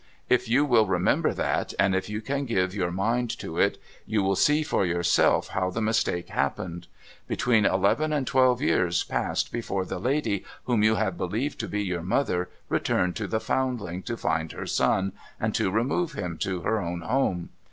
If you will remember that, and if you can give your mind to it, you will see for yourself how the mistake happened. Between eleven and twelve years passed before the lady, whom you have believed to be your mother, returned to the Foundling, to find her son, and to remove him to her own home.